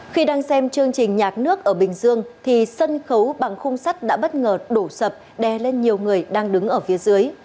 khi đang xem chương trình nhạc nước ở bình dương thì sân khấu bằng khung sắt đã bất ngờ đổ sập đè lên nhiều người đang đứng ở phía dưới